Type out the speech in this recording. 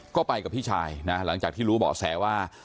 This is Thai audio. ก็ไปกับพี่ชายนะหลังจากที่รู้เบาะแสว่า